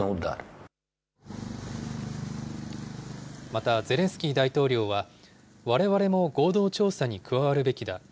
また、ゼレンスキー大統領は、われわれも合同調査に加わるべきだ。